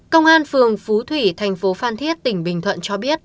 công an phường phú thủy tp phan thiết tỉnh bình thuận cho biết